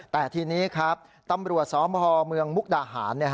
แต่ทีนี้ครับตำรวจสพเมืองมุกดาหาร